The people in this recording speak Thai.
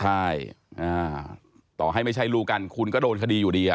ใช่ต่อให้ไม่ใช่ลูกกันคุณก็โดนคดีอยู่ดี